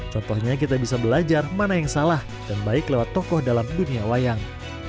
contohnya kita bisa belajar mana yang salah dan baik lewat tokoh dalam dunia wayang